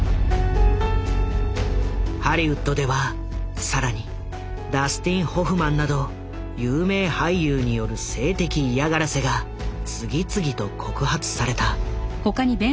ハリウッドでは更にダスティン・ホフマンなど有名俳優による性的嫌がらせが次々と告発された。